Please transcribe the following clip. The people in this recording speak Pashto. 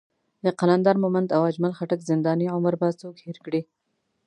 د قلندر مومند او اجمل خټک زنداني عمر به څوک هېر کړي.